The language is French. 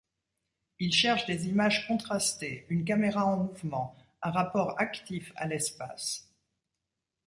Il cherche des images contrastées, une caméra en mouvement, un rapport actif à l'espace.